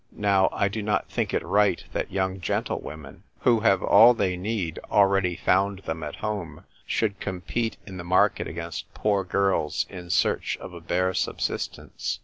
Now, I do not think it right that young gentlewomen who have all they need already found them at home should compete in the market against poor girls in search of a bare subsistence.